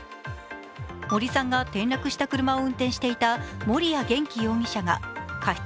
森さんが転落した車を運転していた森谷元気容疑者が過失